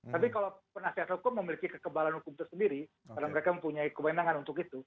tapi kalau penasihat hukum memiliki kekebalan hukum tersendiri karena mereka mempunyai kewenangan untuk itu